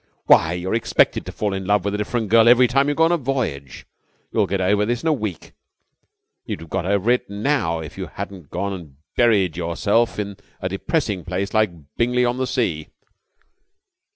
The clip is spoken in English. Why, you're expected to fall in love with a different girl every time you go on a voyage. You'll get over this in a week. You'd have got over it now if you hadn't gone and buried yourself in a depressing place like Bingley on the Sea."